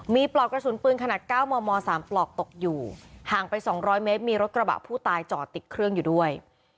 มีปลอกกระสุนปืนขนาด๙มม๓ปลอกตกอยู่ห่างไป๒๐๐เมตรมีรถกระบะผู้ตายจอดติดเครื่องอยู่ด้วย